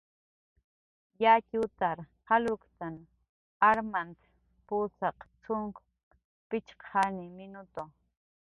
Yatxutar jalurktn armant pusaq cxunk pichqani minutu.